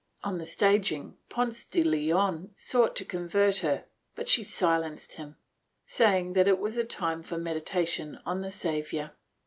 On the staging Ponce de Leon sought to convert her but she silenced him, saying that it was a time for meditation on the Savior.